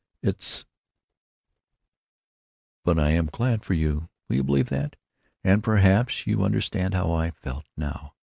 "It's——But I am glad for you. Will you believe that? And perhaps you understand how I felt, now.